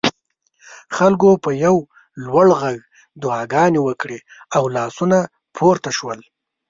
خلکو په یو لوړ غږ دعاګانې وکړې او لاسونه پورته شول.